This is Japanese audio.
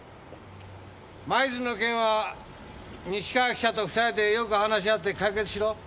舞鶴の件は西川記者と２人でよく話し合って解決しろ。